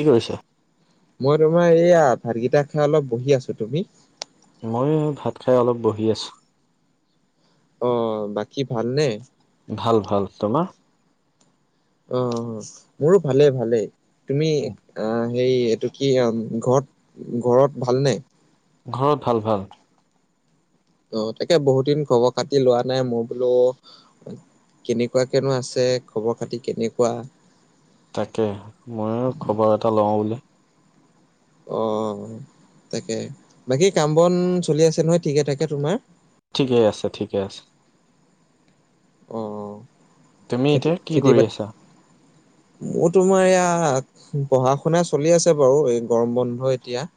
কি কৰিছ? মই তোমাৰ এইয়া ভাতকেইটা খাই অলপ বহি আছো, তুমি? মই ভাত খাই অলপ বহি আছো। অ, বাকী ভালনে? ভাল - ভাল, তোমাৰ? অ, মোৰো ভালেই - ভালেই, তুমি অ, সেই এইটো কি, ঘৰত - ঘৰত ভালনে? ঘৰত ভাল - ভাল। ত' তাকে বহুত দিন খবৰ খাতি লোৱা নাই, মই বোলো কেনেকুৱা কেনো আছে, খবৰ খাতি কেনেকুৱা? তাকে, ময়ো খবৰ এটা লওঁ বোলে। অ, তাকে, বাকী কাম বন চলি আছে নহয় ঠিকে থাকে তোমাৰ? ঠিকে আছে - ঠিকে আছে। অ'হ। তুমি এতিয়া কি কৰি আছা? মোৰ তোমাৰ এয়া পঢ়া শুনা চলি আছে বাৰু এই গৰম বন্ধ এতিয়া।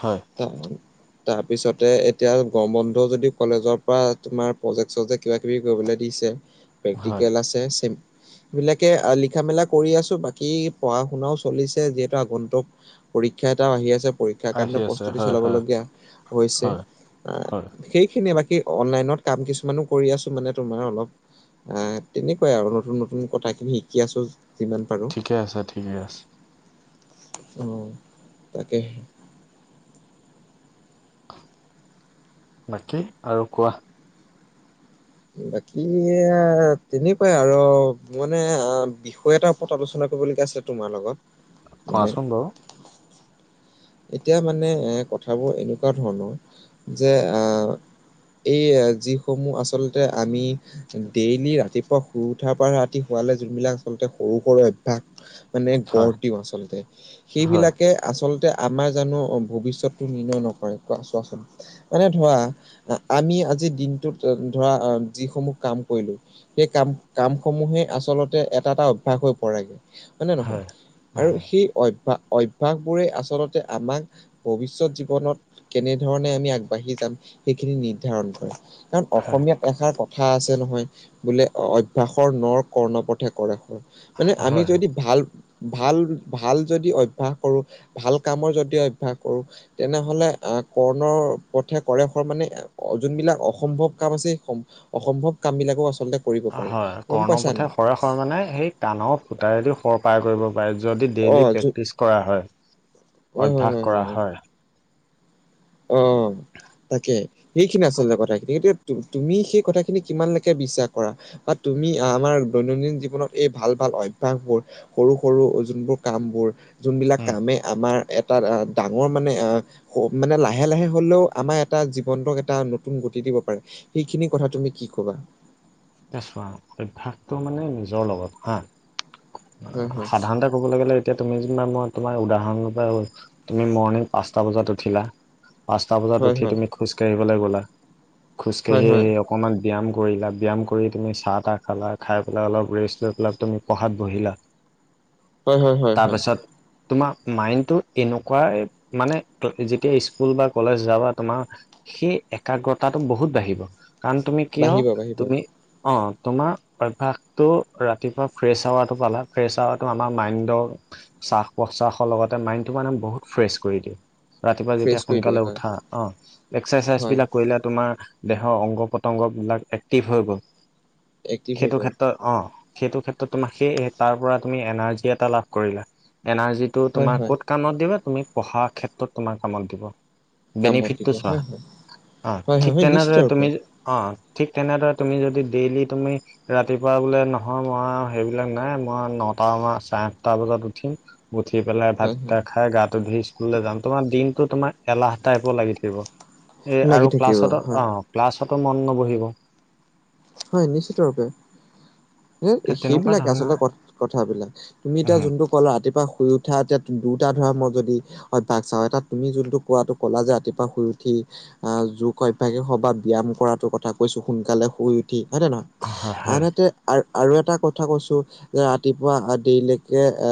হয়। তাৰ পিছতে, এতিয়া গম বন্ধুও যদি কলেজৰ পৰা তুমাৰ প্ৰজেক্ট চজেক কিবা কিবি কৰিবলৈ দিছে, হয় প্ৰেক্টিকেল আছে, [unintelligible] সেবিলাকে লিখা মেলা ক কৰি আছো, বাকী পঢ়া শুনাও চলিছে, যিহেতু আগন্তুক পৰীক্ষা এটাও আহি আছে [unintelligible] তাৰ আহি কাৰণে আছে প্ৰস্তুতি হয় চলাব হয় লগীয়া, হৈছে, হয় আহ হয়। সেইখিনিয়ে বাকী অনলাইনত কাম কিছুমানো কৰি আছো মানে তোমাৰ অলপ। আহ তেনেকুৱাই আৰু, নতুন-নতুন কথা খিনি শিকি আছো, যিমান পাৰো ঠিকে আছে, ঠিকে আছে। ওম তাকে। বাকী, আৰু কোৱা? বাকী, তেনেকুৱাই আৰু মানে অ' বি বিষয় এটা ওপৰত‌ আলোচনা কৰিবলগীয়া আছে তোমাৰ লগত। মানে কোৱাচোন বাৰু। এতিয়া মানে এ কথাবোৰ এনেকুৱা ধৰণৰ, যে অ এই যিসমূহ আচলতে আমি ডেইলি ৰাতিপুৱা শুই উঠাৰ পৰা ৰাতি শুৱালে যোনবিলাক আচলতে সৰু-সৰু অভ্যোস মানে হয় গঢ় দিওঁ আচলতে। হয় সেইবিলাকে আচলতে আমাৰ জানো অ ভৱিষ্যতটো নিৰ্ণয় নকৰে কোৱা, চোৱাচোন। মানে ধৰা, এই আমি আজি দিনটোত ধৰা যিসমূহ কাম কৰিলো সেই কাম কাম সমূহে আচলতে এটা-এটা অভ্যাস হৈ পৰেগৈ। হয় নে নহয়? আৰু সেই অভ্যা অভ্যাস বোৰে আচলতে আমাক ভৱিষ্যয়ত জীৱনত কেনেধৰণে আমি আগবাঢ়ি যাম, সেইখিনি নিৰ্ধাৰণ কৰে। কাৰণ অসমীয়াত এষাৰ কথা আছে নহয়, বোলে- অভ্যাসৰ নৰ কৰ্ণপথে কৰে হয়। মানে আমি হয় হয় যদি ভাল- ভাল- ভাল যদি অভ্যাস কৰো ভাল। কামৰ যদি অভ্যাস কৰো। তেনেহলে, আ কৰ্ণৰ পথে কৰে শৰ মানে, যোনবিলাক অসম্ভৱ কাম আছে অসম্ভৱ কাম বিলাকো আচলতে, কৰিব পাৰো হয় গম কৰ্ণ পাইছা পথে নাই? কৰে শৰে মানে, সেই কাণৰ ফুটায়েদি সৰ পাৰ কৰিব পাৰে। যদি অ ডেইলি যো প্ৰেক্টিছ কৰা হয়, হয় হয় হয় অভ্যাস কৰা হয়। অ' তাকে সেইখিনি আচলতে কথাখিনি। গতিকে‌ এতিয়া তুমি সেই কথাখিনি কিমান লেকে বিশ্বাস কৰা? বা তুমি আমাৰ দৈনন্দিন জীৱনত এই ভাল ভাল অভ্যাসবোৰ। সৰু -সৰু যোনবোৰ কামবোৰ। যোনবিলাক কামে আমাৰ এটা ডাঙৰ মানে আহ মানে লা লাহে লাহে হ'লেও আমাৰ এটা জীৱন্তক এটা নতুন গতি দিব পাৰে। উ সেইখিনি কথা তুমি কি ক'বা? এতিয়া চোৱা অভ্যাসত টো মানে নিজৰ লগত হা। হয় হয়, সাধাৰণতে। কবলে গ'লে এতিয়া তুমি যেনিবা মই তোমাৰ উদাহৰণৰ পৰা কৈছোঁ। তুমি মৰ্ণিং পাঁচটা, বজাত উঠিলা। পাঁচটা বজাত হয় উঠি হয়, তুমি খোজকাঢ়িবলৈ গ'লা হয় খোজকাঢ়ি হয়, আহ অকমান ব্যায়াম কৰিলা ব্যায়াম, কৰি তুমি চাহ তাহ খালা। খাই পেলাই অলপ ৰেষ্ট লৈ পেলাই তুমি পঢ়াত বহিলা। হয় হয়, হয় তাৰ হয়, পাছত তোমাৰ মাইণ্ডটো এনেকুৱাই মানে, যেতিয়া স্কুল বা কলেজ যাবা তোমাৰ। সেই একাগ্ৰতাটো বহুত বাঢ়িব। কাৰণ তুমি কিয়? বাঢ়িব বাঢ়িব তুমি অ', তোমাৰ অভ্যাসটো ৰাতিপুৱা ফ্ৰেছ হাৱাটো পালা। ফ্ৰেছ হাৱাটো আমাৰ মাইণ্ডৰ শ্বাস -প্ৰশ্বাসৰ লগতে মাইন টো মানে বহুত ফ্ৰেছ কৰি দিয়ে। ৰাতিপুৱা ফ্ৰেছ যেতিয়া কৰি দিয়ে সোনকালে হয়। উঠা অ' এক্সাৰচাইজ হয়, বিলাক কৰিলে তোমাৰ। দেহৰ অংগ পতংগবিলাক এক্টিভ হৈ গ'ল। এক্টিভ হৈ সেইটো গ'ল ক্ষেত্ৰত অ' সেইটো ক্ষেত্ৰত তোমাক সেই তাৰ পৰা তুমি এনাৰ্জি এটা লাভ কৰিলা। এনাৰ্জি টো হয় তোমাৰ হয়, ক'ত কামত দিব তুমাৰ পঢ়াৰ ক্ষেত্ৰত তোমাৰ কামত দিব। কামত দিব বেনিফিটটো চোৱা। হয় অ' হয় হয় ঠিক হয় নিশ্চিত তেনেদৰে ৰূপে তুমি অ' ঠিক তেনেদৰে তুমি যদি ডেইলি তুমি ৰাতিপুৱা বোলে নহয় মই সেইবিলাক নাই, মই নটা বা চাৰে আঠটা বজাত উঠিম, উঠি পেলাই হয় হয়। ভাতকেইটা খাই গাটো ধুই স্কুললৈ যাম। তোমাৰ দিনটো তোমাৰ এলাহ টাইপৰ লাগি থাকিব। এ লাগি আৰু থাকিব ক্লাছতো, হয় অ' ক্লাছতো মন নবহিব। হয়। নিশ্চিত ভাবে। এই, সেই তেনেকুৱা সেইবিলাকে ধৰণৰ হয় আচলতে কথাবিলাক। তুমি এতিয়া যোনটো অকল ৰাতিপুৱা শুই উঠা এতিয়া দুটা ধৰা মই যদি অভ্যাস চাওঁ, এটা তুমি যোনটো কোৱাটো কলা যে ৰাতিপুৱা শুই উঠি আহ, যোগ অভ্যাসে হ‌ওক বা ব্যায়াম কৰাটো কথা কৈছোঁ। সোনকালে শুই উঠি, হয় নে নহয়। হয়। আনহাতে আৰু আৰু এটা কথা কৈছোঁ, যে ৰাতিপুৱা দেৰিলৈকে, এ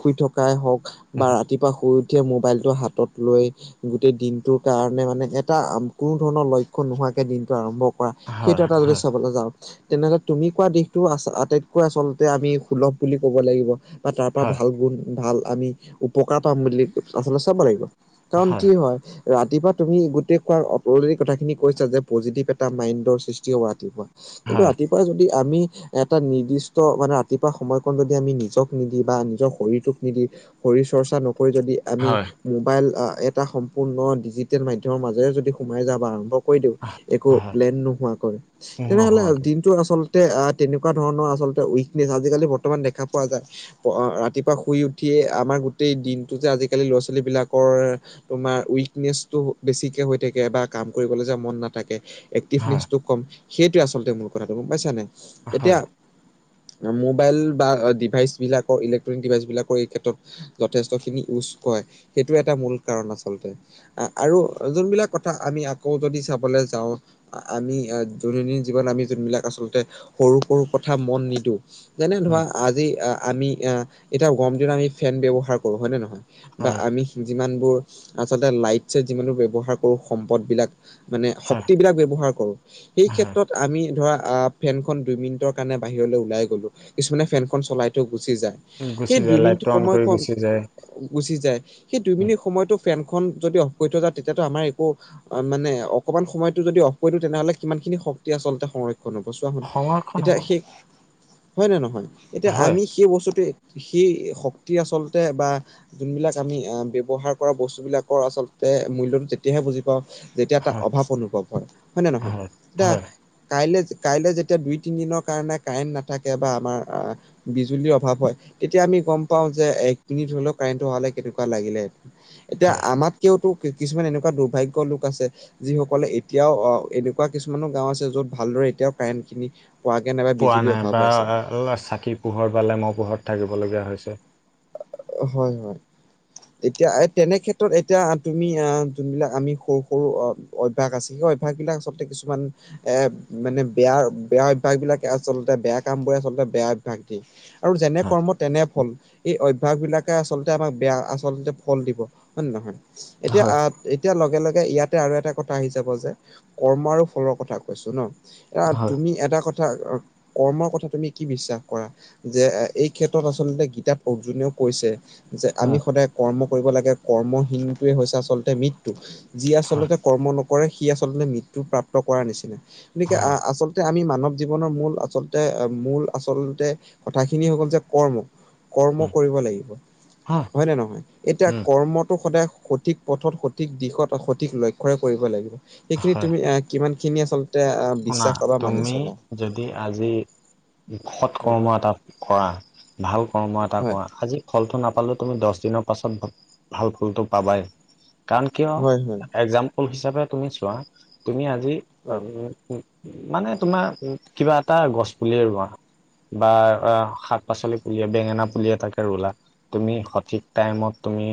শুই থকাই হওক, বা ৰাতিপুৱা শুই উঠিয়ে মোবাইলটো হাতত লৈ গোটেই দিনটোৰ কাৰণে মানে এটা কোনো ধৰণৰ লক্ষ্য নোহোৱাকে, দিনটো আৰম্ভ কৰা সেইটো হয় এটা যদি হয় চাবলৈ যাওঁ, তেনেহলে তুমি কোৱা দিশটো আ- আটাইতকৈ আচলতে আমি সুলভ বুলি ক'ব লাগিব। বা তাৰ পৰা হয় ভাল গুণ, ভাল আমি, উপকাৰ পাম বুলি আচলতে চাব লাগিব। কাৰণ কি হয়, ৰাতিপুৱা তুমি গোটেই কোৱাৰ অলৰেডি কথাখিনি কৈছা যে পজিটিভ এটা মাইণ্ডৰ সৃষ্টি হব ৰাতিপুৱা। কিন্তু হয় ৰাতিপুৱা যদি আমি এটা নিৰ্দিষ্ট মানে ৰাতিপুৱা সময়কণ যদি আমি নিজক নিদি বা নিজৰ শৰীৰটোক নিদি শৰীৰ চৰ্চা নকৰি যদি আমি হয় মোবাইল, এটা সম্পূৰ্ণ ডিজিটেল মাধ্যমৰ মাজেৰে যদি সোমাই যাওঁ বা আৰম্ভ কৰি দিওঁ একো হয় প্লেন নোহোৱাকৈ। তেনেহলে যে নহয় দিন টো আচলতে, আ তেনেকুৱা ধৰণৰ আচলতে উইকনেচ আজিকালি বৰ্তমান দেখা পোৱা যায়। ৰাতিপুৱা শুই উঠিয়ে আমাৰ গোটেই দিনটো যে আজিকালি ল'ৰা ছোৱালী বিলাকৰ তোমাৰ উইকনেচটো বেছিকে হৈ থাকে বা কাম কৰিবলে যে মন নাথাকে। হয় এক্টিভনেচটো কম। সেইটোৱে আচলতে মূল কথাটো গম পাইছা নাই। এতিয়া হয় মোবাইল বা ডিভাইচ বিলাকৰ, ইলেক্ট্ৰনিক ডিভাইচ বিলাকৰ এই ক্ষেত্ৰত যথেষ্ট খিনি ইউজ কৰে। সেইটো এটা মূল কাৰণ আচলতে। আৰু যোনবিলাক কথা আমি আকৌ যদি চাবলৈ যাওঁ, আমি এ দৈনন্দিন জীৱন আমি যোনবিলাক আচলতে সৰু সৰু কথা মন নিদিওঁ। যেনে ধৰা আজি এ, আমি এ, এতিয়া গৰম দিনত আমি ফেন ব্যৱহাৰ কৰোঁ, হয়নে নহয়? বা হয় আমি যিমানবোৰ আচলতে লাইটচ যিমানবোৰ ব্যৱহাৰ কৰো, সম্পদবিলাক মানে হয় শক্তি বিলাক ব্যৱহাৰ কৰো। এই হয় ক্ষেত্ৰত আমি ধৰা আ, ফেনখন দুই মিনিটৰ কাৰণে বাহিৰলৈ ওলাই গ'লো। কিছুমানে ফেনখন চলাই থৈ গুচি যায়। গুচি সেই দুই যায় মিনিট লাইটটো অন কৰি সময়খন গুচি যায় গুচি যায়। সেই দুই উম, মিনিট সময়টো ফেনখন যদি অফ কৰি থৈ যা তেতিয়াতো আমাৰ একো অ মানে, অকমান সময়টো যদি অফ কৰি দিওঁ তেনেহলে কিমান খিনি শক্তি আচলতে সংৰক্ষণ হব চোৱাছোন। সংৰক্ষণ এতিয়া হ'ব সে, হয় নে নহয়? এতিয়া হয় আমি সেই বস্তুটো সেই শক্তি আচলতে বা যোনবিলাক আমি আহ ব্যৱহাৰ কৰা বস্তুবিলাকৰ আচলতে মূল্যটো তেতিয়াহে বুজি পাওঁ। যেতিয়া টা হয় অভাৱ অনুভৱ হয় হয় নে নহয়? তা কাইলৈ কাইলৈ যেতিয়া দুই তিনিদিনৰ কাৰণে কাৰেণ্ট নাথাকে বা আমাৰ আ- বিজুলীৰ অভাৱ হয় তেতিয়া আমি গম পাও যে এক মিনিট হলেও কাৰেণ্টটো অহালে কেনেকুৱা লাগিলে। এতিয়া হয় আমাতকেওতো কিছুমান এনেকুৱা দুৰ্ভাগ্য লোক আছে যিসকলে এতিয়াও অ, এনোক কুৱা কিছুমানো গাওঁ আছে য'ত ভালদৰে এতিয়াও কাৰেণ্টখিনি পোৱাগে নাই বা- পোৱা বিজুলীৰ নাই অভাৱ বা হৈ আছে। চাকিৰ পোহৰ বা লেমৰ পোহৰত থাকিবলগীয়া হৈছে। হয় হয়। এতিয়া তেনে ক্ষেত্ৰত এতিয়া তুমি আহ যোনবিলাক আমি সৰু সৰু অ অভ্যাস আছে। সেই অভ্যাসবিলাক আচলতে কিছুমান এ মানে বেয়া বেয়া অভ্যাস বিলাক আচলতে বেয়া কাম বোৰে আচলতে বেয়া অভ্যাস দিয়ে। আৰু যেনে হয় কৰ্ম তেনে ফল, এই অ- অভাৱবিলাকে আচলতে আমাক বেয়া আচলতে ফল দিব হয় নে নহয়? এতিয়া হয় আ- এতিয়া লগে লগে ইয়াতে আৰু এটা কথা আহি যাব যে কৰ্ম আৰু ফলৰ কথা কৈছো ন। আ এটা হয় তুমি এটা কথা কৰ্মৰ কথা তুমি কি বিশ্বাস কৰা? যে এই ক্ষেত্ৰত আচলতে গীতাত অৰ্জুনেও কৈছে যে আমি উম সদায় কৰ্ম কৰিব লাগে, কৰ্মহীনতোয়ে হৈছে আচলতে মৃত্যু। যি হয় আচলতে কৰ্ম নকৰে সি আচলতে মৃত্যু প্ৰাপ্ত কৰাৰ নিচিনা। গতিকে আ হয় আচলতে আমি মানৱ জীৱনৰ মূল আচলতে মূল আচলতে কথাখিনি হল যে কৰ্ম, কৰ্ম উম কৰিব লাগিব হয় নে নহয়? এতিয়া উম কৰ্মটো সদায় সঠিক পথত, সঠিক দিশত, সঠিক লক্ষ্যৰে কৰিব লাগিব সেইখিনি হয় তুমি আহ কিমান খিনি আচলতে আ- শুনা বিশ্বাস পাবা মানি তুমি চলা? যদি আজি সৎ হয়। কৰ্ম এটা কৰা। ভাল কৰ্ম এটা হয় কৰা, আজি ফলটো নাপালেও তুমি দছ দিনৰ পাছত ভাল ফলটো পাবাই। কাৰণ কিয় হয় হয় একজাম্পল হিচাপে তুমি চোৱা, তুমি আজি হয় আম- মানে তোমাৰ কিবা এটা গছ পুলিয়ে ৰুৱা বা আ শাক পাচলি পুলিয়ে বেঙেনা পুলিয়ে তাকে ৰুলা। তুমি সঠিক টাইমত তুমি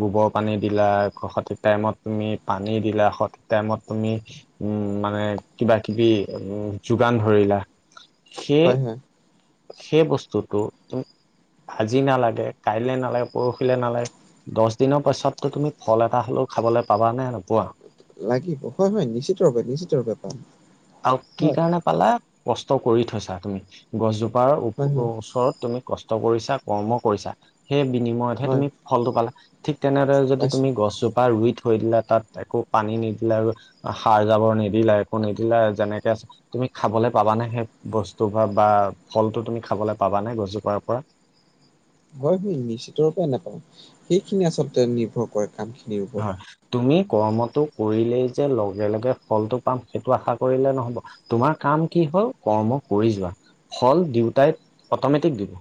গোবৰ পানী দিলা, সঠিক টাইমত তুমি পানী দিলা, সঠিক টাইমত তুমি উম মানে কিবা-কিবি উম যোগান ধৰিলা সেই হয় হয় সেই বস্তুটো আজি নালাগে কাইলৈ নালাগে পৰশিলৈ নালাগে দহ দিনৰ পাছতো তুমি ফল এটা হ'লেও খাবলৈ পাবা নে নোপোৱা? লাগিব হয় হয় নিশ্চিতৰোপে নিশ্চিতৰোপে পাম। আৰু কি হয় কাৰণে পালা কষ্ট কৰি থৈছা তুমি গছজোপাৰ ও হয় হয়। ওচৰত তুমি কষ্ট কৰিছা, কৰ্ম কৰিছা, সেই বিনিময়তহে হয় তুমি ফলটো পালা। ঠিক তেনেদৰে যদি পাইছো তুমি গছজোপা ৰুই থৈ দিলা তাত একো পানী নিদিলে আৰু সাৰ জাবৰ নিদিলে একো নিদিলে যেনেকে তুমি খাবলৈ পাবা নে সেই বস্তু পৰা বা ফলটো তুমি খাবলৈ পাবা নে গছজোপাৰ পৰা? হয় বি নিশ্চিত ৰূপে নাপাওঁ, সেইখিনি আচলতে নিৰ্ভৰ কৰে। কাম খিনিও হয়। তুমি কৰ্মটো কৰিলেই যে লগে লগে ফলটো পাম সেইটো আশা কৰিলে নহ'ব। তোমাৰ কাম কি হল কৰ্ম কৰি যোৱা ফল দিউতাই অট'মেটিক দিব।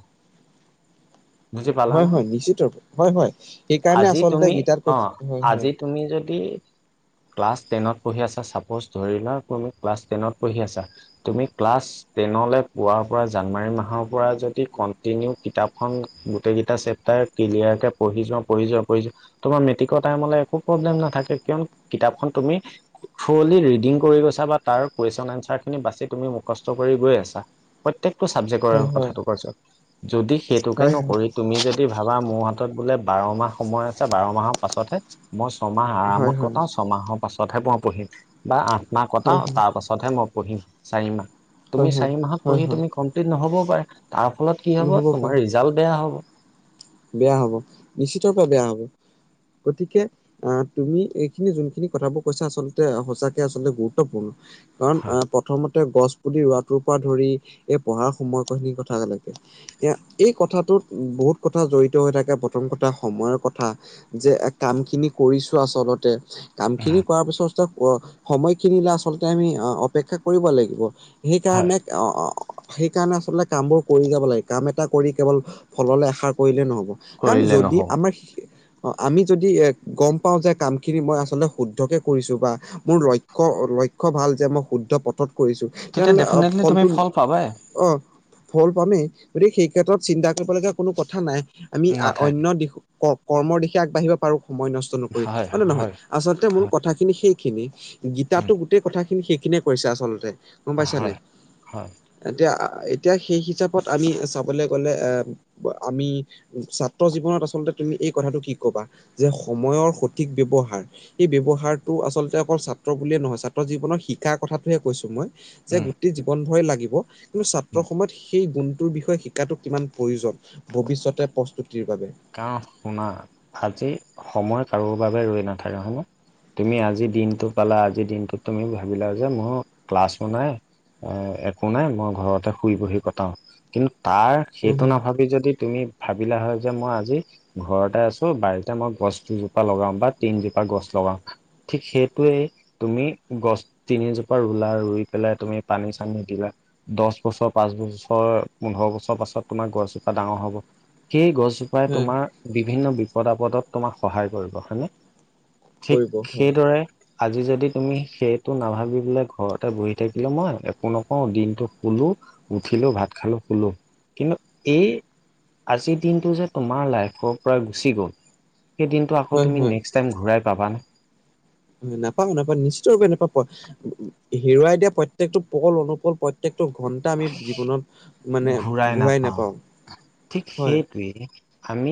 বুজি পালা হয় নহয়? হয় নিশ্চিতৰূপে হয় হয় সেইকাৰণে আজি আচলতে তুমি গীটাৰ অ' হয়, হয় আজি তুমি যদি ক্লাছ টেনত পঢ়ি আছা, চাপচ ধৰি লোৱা কোনো ক্লাছ টেনত পঢ়ি আছা তুমি ক্লাছ তেনলৈ পুৱোৱাৰ পৰা জানুৱাৰী মাহৰ পৰা যদি কন্টিনিউ কিতাপখন গোটেই কেইটা চেপটাৰ ক্লিয়াৰ কে পঢ়ি যোৱা পঢ়ি যোৱা পঢ়ি যোৱা তোমাৰ মেট্ৰিকৰ টাইমলৈ একো প্ৰব্লেম নাথাকে কিয়নো কিতাপখন তুমি থ্ৰলি ৰিডিং কৰি গৈছা বা তাৰ কুৱেশ্যন এনচাৰ খিনি বাচি তুমি মুখস্থ কৰি গৈ আছা। প্ৰত্যেকটো চাবজেক্টৰ হয় কথাটো কৈছোঁ যদি সেইটোকে হয় ন তুমি যদি ভাবা মোৰ হাতত বোলে বাৰ মাহ সময় আছে বাৰ মাহৰ পাছতহে মই ছমাহ হয় হয় হয় আৰামত কটাও, ছমাহৰ পাছতহে মই পঢ়িম বা আঠ মাহ কটাও হয় হয় হয় তাৰ পাছত পাছত হে মই পঢ়িম চাৰি মাহ, তুমি হয় চাৰি মাহত হয় হয় পঢ়ি হয় তুমি কমপ্লিট নহ'বও পাৰো তাৰ ফলত কি হব নহ'ব পাৰে তোমাৰ ৰিজাল্ট বেয়া হ'ব। বেয়া হ'ব, নিশ্চিতৰ পৰা বেয়া হ'ব। গতিকে আহ তুমি এইখিনি যোনখিনি কথাবোৰ কৈছা আচলতে সঁচাকে আচলতে গুৰু ত্বপূৰ্ণ কাৰণ আ প্ৰথম তে গছ পুলি ৰোৱাটোৰ পৰা ধৰি এই পঢ়াৰ সময় খিনি কথা লেকে। এয়া এই কথাটোত বহুত কথা জড়িত হৈ থাকে প্ৰথম কথা সময়ৰ কথা যে কাম খিনি কৰিছো আচলতে, কাম খিনি কৰাৰ পিছত সময়খিনিলে আচল্ততে আমি অপেক্ষা কৰিব লাগিব। হয়। সেইকাৰণে অ সেইকাৰণে আচলতে কাম বোৰ কৰি যাব লাগে কাম এটা কৰি কেৱল ফললে আশা কৰিলে নহ'ব কাৰণ কৰিলে যদি নহ'ব। আমাৰ অ আমি যদি গম পাওঁ যে কামখিনি মই আচলতে শুদ্ধকে কৰিছোঁ বা মোৰ লক্ষ্য লক্ষ্য ভাল যে মই শুদ্ধ পথত কৰিছো তেতিয়া তেনেহলে ডেফিনেটলি তুমি ফলটো ফল পাবাই। অ ফল পামেই। গতিকে সেই ক্ষেত্ৰত চিন্তা কৰিবলগীয়া কোনো কথা নাই। আমি নাথাকে। অন্য দিশ কৰ্মৰ দিশে আগবাঢ়িব পাৰো সময় নষ্ট নকৰি হয় নে নহয়। আচলতে মূল হয় কথাখিনি সেইখিনি উম। গীতাতো গোটেই কথাখিনি সেইখিনিয়ে কৈছে আচলতে। গম পাইছা হয়, নাই? হয়, এতিয়া এতিয়া সেই হিচাপত আমি চাবলৈ গ'লে এ আমি ছাত্ৰ জীৱনত আচলতে তুমি এই কথাটো কি ক'বা? যে সময়ৰ সঠিক ব্যৱহাৰ সেই ব্যৱহাৰটো আচলতে অকল ছাত্ৰ বুলিয়ে নহয় ছাত্ৰ জীৱনৰ শিকাৰ কথাটোহে কৈছো মই। যে উম, গোটেই জীৱন ভৰেই লাগিব। কিন্তু উম, ছাত্ৰৰ সময়ত সেই গুণটোৰ বিষয়ে শিকাটো কিমান প্ৰয়োজন ভৱিষ্যতে প্ৰস্তুতিৰ বাবে। কা শুনা আজি সময় কাৰো বাবে ৰৈ নাথাকে হয়নে। তুমি আজি দিনটো পালা আজিৰ দিনটোত তুমি ভাবিলা যে মোৰ ক্লাছ নাই। অ, একো নাই মই ঘৰতে শুই বহি কটাও কিন্তু তাৰ উম, সেইটো হম, নাভাবি যদি তুমি ভাবিলা হয়। যে মই আজি ঘৰতে আছো বাৰীতে মই গছ দুজোপা লগাও বা তিনজোপা গছ লগাও। ঠিক সেইটোৱেই। তুমি গছ তিনিজোপা ৰুলা ৰুই পেলাই তুমি পানী- চানী দিলা। দহ বছৰ, পাঁচ বছৰ, পোন্ধৰ বছৰ পাছত তোমাৰ গছজোপা ডাঙৰ হ'ব সেই গছ জোপাই হয় তোমাৰ বিভিন্ন বিপদ আপদত তোমাক সহায় কৰিব হয়নে? ঠিক কৰিব হয় সেইদৰে। আজি যদি তুমি সেইটো নাভাবি বোলে ঘৰতে বহি থাকিলে মই একো নকওঁ দিনটো শুলো। উঠিলো ভাত খালো, শুলো কিন্তু এই আজিৰ দিনটো যে তোমাৰ লাইফৰ পৰা গুচি গ'ল সেই দিনটো আকৌ হয় তুমি হয় নেক্সট টাইম ঘূৰাই পাবানে? নাপাও, নাপাও নিশ্চিতভাৱে নাপাং। হেৰুৱাই দিয়া প্ৰত্যেকটো পল, অনুপল প্ৰত্যেকটো ঘণ টা আমি জীৱনত মানে ঘূৰাই নাপাওঁ ঠিক হয়। [unintelligible] আমি।